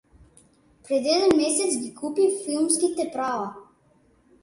Пред еден месец ги купи филмските права